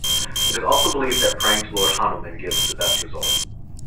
It is also believed that, praying to Lord Hanuman, gives the best result.